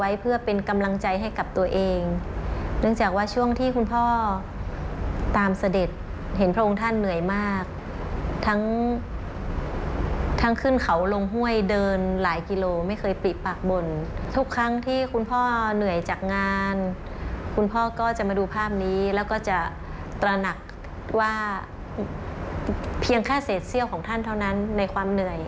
ยังค่าเสร็จเสี้ยวของท่านเท่านั้นในความเหนื่อย